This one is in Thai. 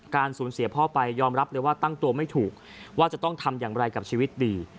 สูญเสียพ่อไปยอมรับเลยว่าตั้งตัวไม่ถูกว่าจะต้องทำอย่างไรกับชีวิตดี